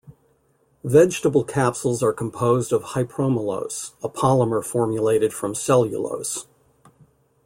Vegetable capsules are composed of hypromellose, a polymer formulated from cellulose.